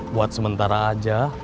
buat sementara aja